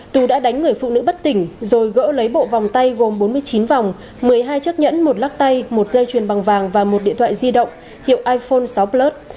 tú đã đánh người phụ nữ bất tỉnh rồi gỡ lấy bộ vòng tay gồm bốn mươi chín vòng một mươi hai chiếc nhẫn một lắc tay một dây chuyền bằng vàng và một điện thoại di động hiệu iphone sáu plus